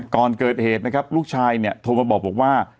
ก่อนเกิดเหตุนะครับลูกชายเนี่ยโทรมาบอกว่า